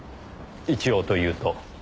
一応というと？